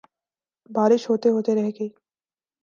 بارش ہوتے ہوتے رہ گئی